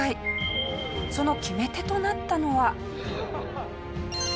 その決め手となったのは。